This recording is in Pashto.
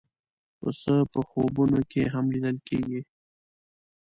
پسه په خوبونو کې هم لیدل کېږي.